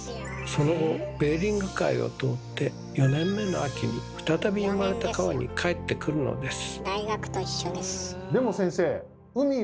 その後ベーリング海を通って４年目の秋に再び生まれた川に帰ってくるのです。